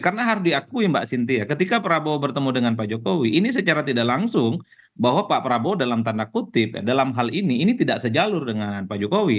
karena harus diakui mbak sinti ya ketika prabowo bertemu dengan pak jokowi ini secara tidak langsung bahwa pak prabowo dalam tanda kutip dalam hal ini ini tidak sejalur dengan pak jokowi